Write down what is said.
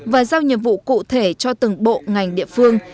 và giao nhiệm vụ cụ thể cho từng bộ ngành địa phương